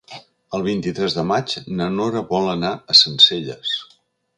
El vint-i-tres de maig na Nora vol anar a Sencelles.